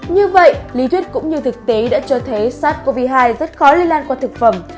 như vậy lý thuyết cũng như thực tế đã cho thấy sars cov hai rất khó lây lan qua thực phẩm